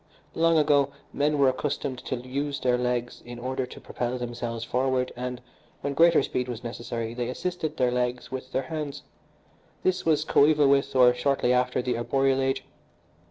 Long ago men were accustomed to use their legs in order to propel themselves forward, and, when greater speed was necessary, they assisted their legs with their hands this was coeval with, or shortly after, the arboreal age.